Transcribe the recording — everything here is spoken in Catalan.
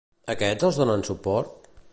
Aquests els donen suport?